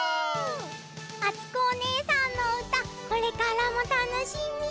あつこおねえさんのうたこれからもたのしみ！